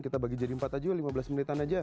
kita bagi jadi empat aja lima belas menitan aja